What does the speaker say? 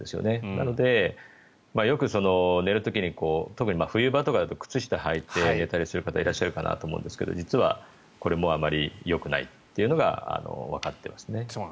なので、よく寝る時に特に冬場とかだと靴下をはいて寝たりする方がいらっしゃるかなと思いますが実はこれもあまりよくないというのがわかっていますね。